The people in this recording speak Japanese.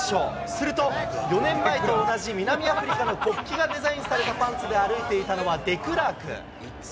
すると、４年前と同じ、南アフリカの国旗がデザインされたパンツで歩いていたのは、デクラーク。